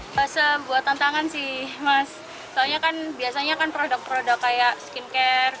bahasa buat tantangan sih mas soalnya kan biasanya kan produk produk kayak skincare